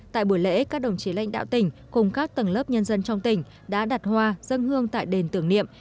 tại buổi lễ các đồng chí lãnh đạo tỉnh cùng các tầng lớp nhân dân trong tỉnh đã đặt hoa dân hương tại đền tưởng niệm